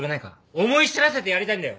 思い知らせてやりたいんだよ！